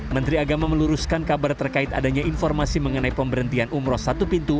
menteri agama meluruskan kabar terkait adanya informasi mengenai pemberhentian umroh satu pintu